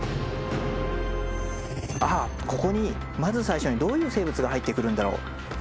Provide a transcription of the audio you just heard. ああここにまず最初にどういう生物が入ってくるんだろう。